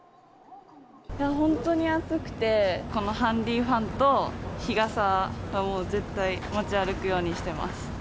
本当に暑くて、このハンディーファンと、日傘はもう絶対持ち歩くようにしてます。